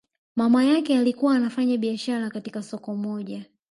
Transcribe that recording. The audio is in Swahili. Mama yake alikuwa anafanya biashara katika soko moja